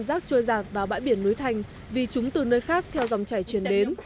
rác trôi giạt vào bãi biển núi thành vì chúng từ nơi khác theo dòng chảy chuyển đến